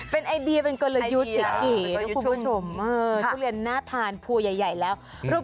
เป็นไอเดียเป็นกลยุสิทธิ์ทุกผู้ชมทุเรียนน่าทานพูดใหญ่แล้ว